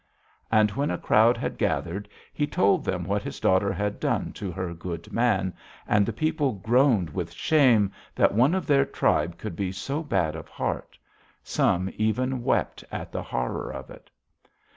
And when a crowd had gathered he told them what his daughter had done to her good man, and the people groaned with shame that one of their tribe could be so bad of heart. Some even wept at the horror of it.